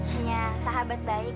hanya sahabat baik